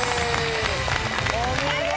お見事！